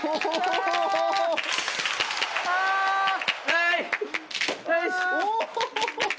はい！